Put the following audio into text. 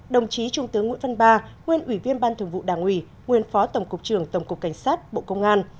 hai đồng chí trung tướng nguyễn văn ba nguyên ủy viên ban thường vụ đảng ủy nguyên phó tổng cục trưởng tổng cục cảnh sát bộ công an